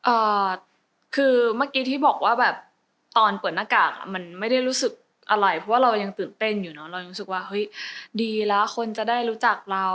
เอ่อคือเมื่อกี้ที่บอกว่าแบบตอนเปิดหน้ากากอ่ะมันไม่ได้รู้สึกอะไรเพราะว่าเรายังตื่นเต้นอยู่เนอะเรารู้สึกว่าเฮ้ยดีแล้วคนจะได้รู้จักเรา